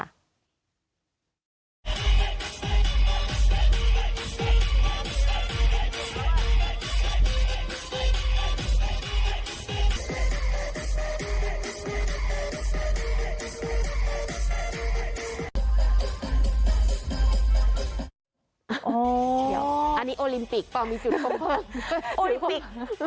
เดี๋ยวอันนี้โอริมปิกก็มีจุดคบเพลิง